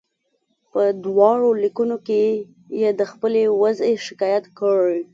په دواړو لیکونو کې یې د خپلې وضعې شکایت کړی.